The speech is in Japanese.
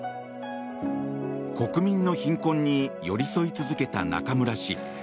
国民の貧困に寄り添い続けた中村氏。